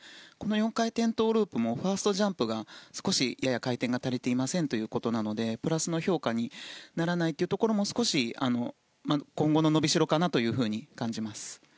４回転トウループもファーストジャンプが少し、やや回転が足りていませんということなのでプラス評価にならないというところも今後の伸びしろかなと感じます。